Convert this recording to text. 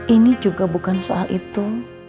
ini juga bukan soal itu